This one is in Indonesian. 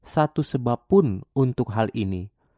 satu sebab pun untuk hal ini